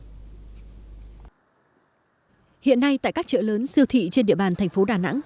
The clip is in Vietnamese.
hiện nay tại các chợ lớn siêu thị trên địa bàn tp đà nẵng